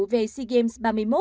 về sea games ba mươi một